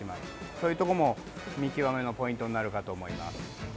そういうところも、見極めのポイントになるかと思います。